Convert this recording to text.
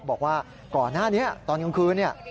บอกว่าก่อนหน้านี้ตอนกลางคืนเนี่ย